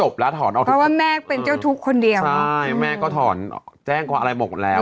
เพราะว่าแม่เป็นเจ้าทุกข์คนเดียวใช่แม่ก็ถอนแจ้งความอะไรหมดแล้ว